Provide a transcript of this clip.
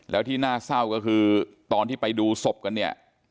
แล้วที่น่าเศร้าก็คือตอนที่ไปดูศพกันเนี่ย